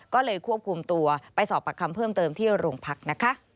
ก็เลยควบคุมตัวไปสอบปากคำเพิ่มเติมที่โรงพักนะคะ